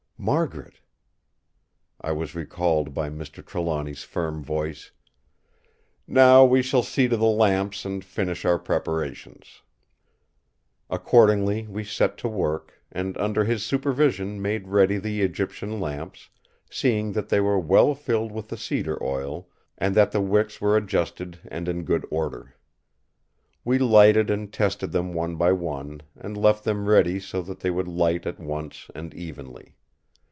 Margaret...! I was recalled by Mr. Trelawny's firm voice: "Now we shall see to the lamps and finish our preparations." Accordingly we set to work, and under his supervision made ready the Egyptian lamps, seeing that they were well filled with the cedar oil, and that the wicks were adjusted and in good order. We lighted and tested them one by one, and left them ready so that they would light at once and evenly.